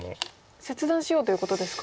切断しようということですか？